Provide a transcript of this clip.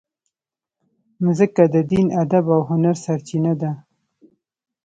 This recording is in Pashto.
مځکه د دین، ادب او هنر سرچینه ده.